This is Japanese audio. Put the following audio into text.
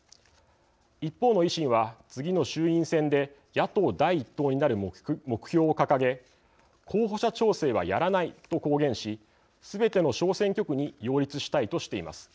一方の維新は次の衆院選で野党第１党になる目標を掲げ候補者調整はやらないと公言しすべての小選挙区に擁立したいとしています。